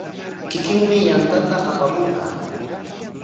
Kikinmi yantata apamunqa.